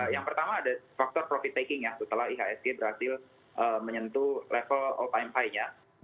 yang pertama ada faktor profit taking ya setelah ihsg berhasil menyentuh level all time high nya